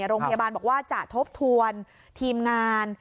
โรงพยาบาลบอกว่าจะทบทวนทีมงาน